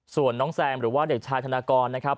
ส่วนน้องแซมหรือว่าเด็กชายธนากรนะครับ